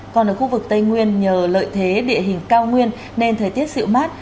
còn ở khu vực tây nguyên nhờ lợi thế địa hình cao nguyên nên thời tiết dịu mát